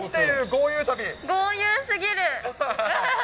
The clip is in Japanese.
豪遊すぎる。